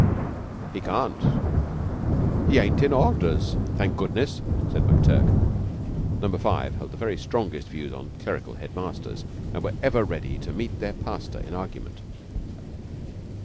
"He can't; he ain't in Orders, thank goodness," said McTurk. Number Five held the very strongest views on clerical head masters, and were ever ready to meet their pastor in argument.